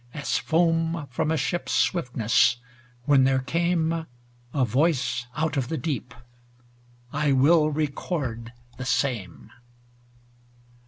As foam from a ship's swiftness, when there came A voice out of the deep: I will record the same.